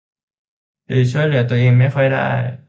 หรือช่วยเหลือตัวเองไม่ค่อยได้